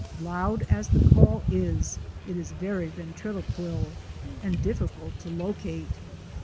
Loud as the call is, it is very ventriloquil and difficult to locate.